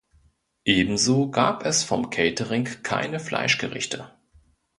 Ebenso gab es vom Catering keine Fleischgerichte.